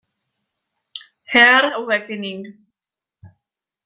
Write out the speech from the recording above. Her Awakening